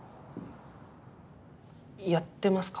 やってますか？